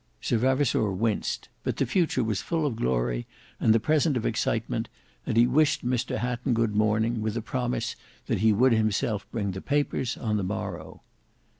Sir Vavasour winced, but the future was full of glory and the present of excitement; and he wished Mr Hatton good morning, with a promise that he would himself bring the papers on the morrow.